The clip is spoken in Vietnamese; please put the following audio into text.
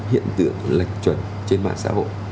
hiện tượng lệch chuẩn trên mạng xã hội